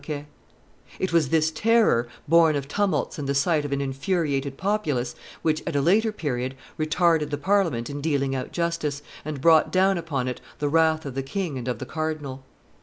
iv.] It was this terror, born of tumults and the sight of an infuriated populace, which, at a later period, retarded the Parliament in dealing out justice, and brought down upon it the wrath of the king and of the cardinal.